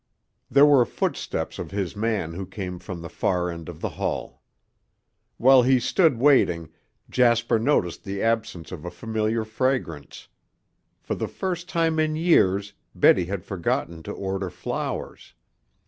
There were footsteps of his man who came from the far end of the hall. While he stood waiting, Jasper noticed the absence of a familiar fragrance. For the first time in years Betty had forgotten to order flowers.